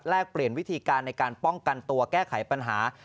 เปลี่ยนวิธีการในการป้องกันตัวแก้ไขปัญหา